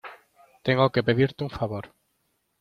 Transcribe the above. tengo que pedirte un favor.